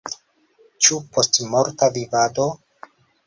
Ĉu postmorta vivado?